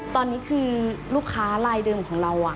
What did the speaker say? ตอนนี้คือลูกค้าลายเดิมของเรา